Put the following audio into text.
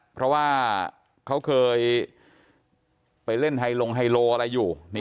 เพราะว่าเขาเคยไปเล่นไฮลงไฮโลอะไรอยู่